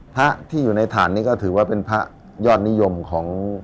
พระที่อยู่ในฐานนี้ก็ถือว่าเป็นพระยอดนิยมของ